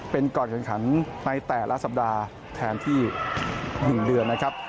เป็นก่อนการแข่งขันในแต่ละสัปดาห์แทนที่๑เดือนนะครับ